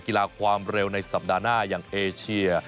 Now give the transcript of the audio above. กีฬาความเร็วในสัปดาห์หน้าอย่างเอเชีย